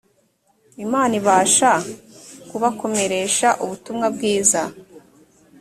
imana ibasha kubakomeresha ubutumwa bwiza